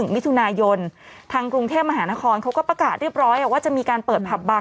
มิถุนายนทางกรุงเทพมหานครเขาก็ประกาศเรียบร้อยว่าจะมีการเปิดผับบาง